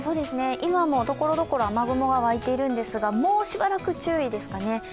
今もところどころ雨雲はわいているんですが、もうしばらく注意ですね。